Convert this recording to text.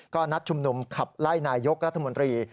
ก็นัดชุมนุมขับไล่นายกรัฐมนตรี